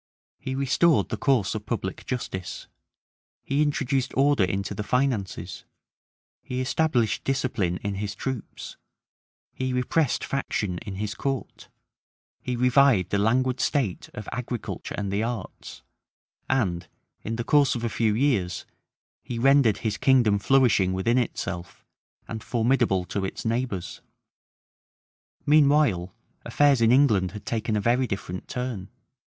He restored the course of public justice; he introduced order into the finances; he established discipline in his troops; he repressed faction in his court; he revived the languid state of agriculture and the arts; and, in the course of a few years, he rendered his kingdom flourishing within itself, and formidable to its neighbors. Meanwhile, affairs in England had taken a very different turn.